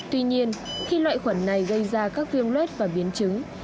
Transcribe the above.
tuy nhiên khi loại khuẩn này gây ra các viêm luet và biến chứng